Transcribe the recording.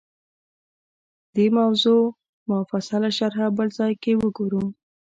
دې موضوع مفصله شرحه بل ځای کې وګورو